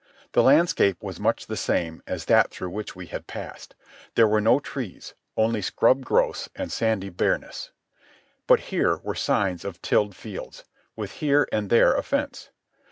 The landscape was much the same as that through which we had passed. There were no trees, only scrub growths and sandy bareness. But here were signs of tilled fields, with here and there a fence.